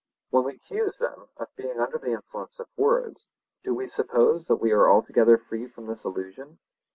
When we accuse them of being under the influence of words, do we suppose that we are altogether free from this illusion?